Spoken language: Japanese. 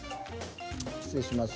失礼します。